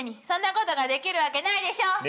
そんなことができるわけないでしょ！